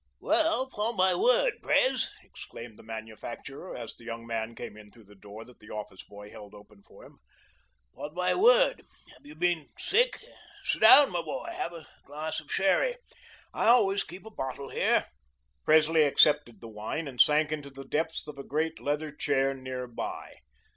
"Well, upon my word, Pres," exclaimed the manufacturer, as the young man came in through the door that the office boy held open for him, "upon my word, have you been sick? Sit down, my boy. Have a glass of sherry. I always keep a bottle here." Presley accepted the wine and sank into the depths of a great leather chair near by.